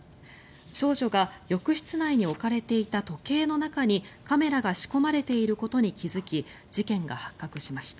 少女が浴室内に置かれていた時計の中にカメラが仕込まれていることに気付き、事件が発覚しました。